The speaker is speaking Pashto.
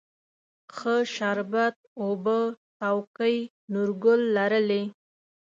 ښه شربت اوبه څوکۍ، نورګل لرلې